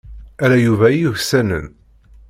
Ala Yuba i yuksanen.